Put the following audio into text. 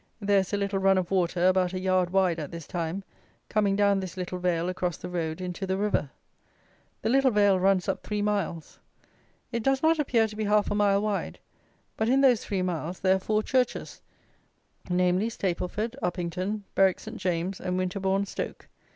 There is a little run of water about a yard wide at this time, coming down this little vale across the road into the river. The little vale runs up three miles. It does not appear to be half a mile wide; but in those three miles there are four churches; namely, Stapleford, Uppington, Berwick St. James, and Winterborne Stoke.